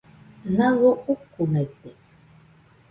Naɨio ukunaite